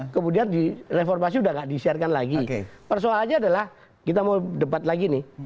kemudian di reformasi udah nggak di share kan lagi persoalannya adalah kita mau debat lagi nih